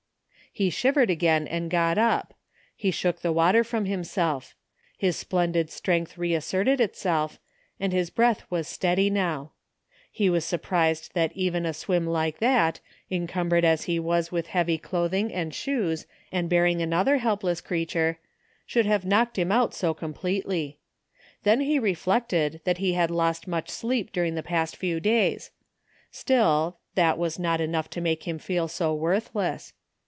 He shivered again and got up. He shook the water from himself. His splendid strength reasserted itself, and his breath was steady now. He was sur 35 THE FINDING OF JASPER HOLT prised that even a swim like that, encumbered as he was with heavy clothing and shoes, and bearing another helpless creature, should have knocked him out so completely. Then he reflected that he had lost much sleep during the past few days; still, that was not enough to make him feel so worthless.